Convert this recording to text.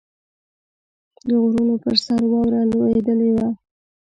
د غرونو پر سر واوره لوېدلې وه.